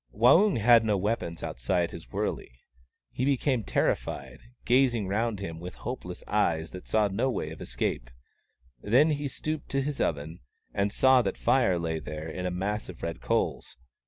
Waung had no weapons outside his wurley. He became terrified, gazing round him with hopeless eyes that saw no way of escape. Then he stooped to his oven, and saw that Fire lay there in a mass of red coals.